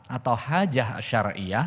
atau hajah syariah